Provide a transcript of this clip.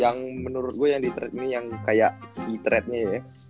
yang menurut gua yang di threat ini yang kayak e threatnya ya